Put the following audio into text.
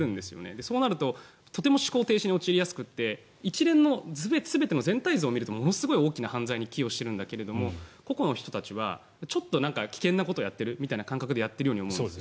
そうなると、とても思考停止に陥りやすくって一連の全ての全体像を見るとものすごい大きな犯罪に寄与しているんだけど個々の人たちはちょっと危険なことをやっているみたいな感覚でやっていると思うんです。